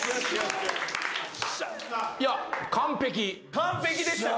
完璧でしたか？